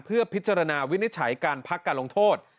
เพื่อพิจารณาวินิจฉัยการพักการลงโทษ